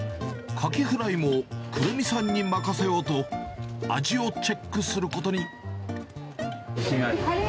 カキフライもくるみさんに任せようと、味をチェックすることに。